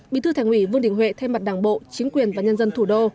bí thư thành ủy vương đình huệ thay mặt đảng bộ chính quyền và nhân dân thủ đô